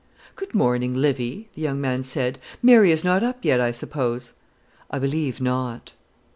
"Good morning, Livy," the young man said. "Mary is not up yet, I suppose?" "I believe not."